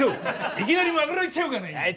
いきなりマグロいっちゃおうかな。